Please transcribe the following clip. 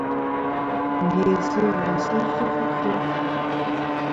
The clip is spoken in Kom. Ngèsɨ-vɨ sɨ fɨf fɨf.